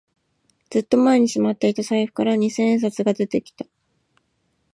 ずっと前にしまっていた財布から二千円札が出てきた